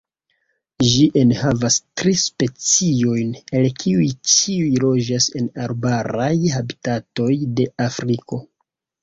Ĝi enhavas tri speciojn, el kiuj ĉiuj loĝas en arbaraj habitatoj de Afriko.